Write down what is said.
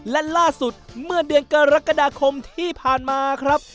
และล่าสุดเมื่อเดือนกรกฎาคมที่ผ่านมาครับ